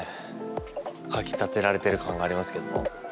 かきたてられてる感がありますけども。